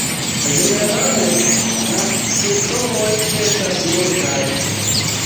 Ĝenerale la simptomoj estas multaj.